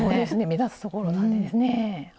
目立つところなんでですね。